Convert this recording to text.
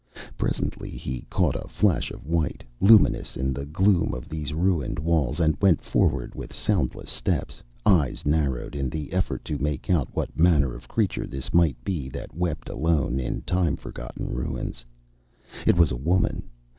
Presently he caught a flash of white, luminous in the gloom of these ruined walls, and went forward with soundless steps, eyes narrowed in the effort to make out what manner of creature this might be that wept alone in time forgotten ruins. It was a woman.